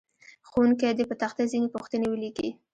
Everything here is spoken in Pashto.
ښوونکی دې په تخته ځینې پوښتنې ولیکي.